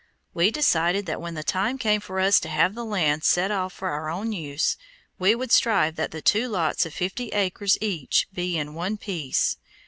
We decided that when the time came for us to have the land set off to our own use, we would strive that the two lots of fifty acres each be in one piece.